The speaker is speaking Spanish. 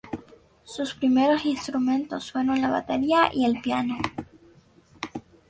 Sus primeros instrumentos fueron la batería y el piano.